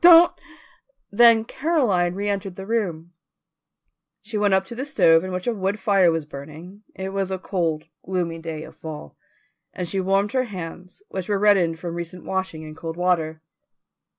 Don't!" Then Caroline reentered the room. She went up to the stove in which a wood fire was burning it was a cold, gloomy day of fall and she warmed her hands, which were reddened from recent washing in cold water.